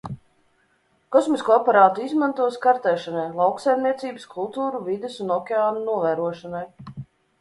Kosmisko aparātu izmantos kartēšanai, lauksaimniecības kultūru, vides un okeāna novērošanai.